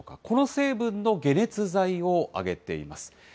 この成分の解熱剤を挙げています。